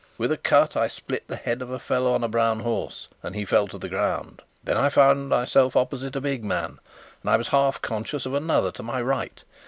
With a cut, I split the head of a fellow on a brown horse, and he fell to the ground. Then I found myself opposite a big man, and I was half conscious of another to my right.